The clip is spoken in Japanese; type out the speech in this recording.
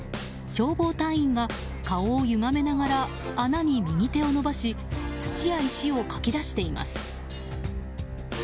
消防隊員が、顔をゆがめながら穴に右手を伸ばし土や石をかき出しています。